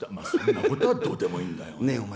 そんなことはどうでもいいんだよ。